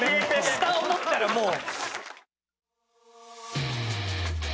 下を持ったらもう。